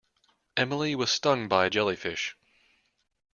Emily was stung by a jellyfish.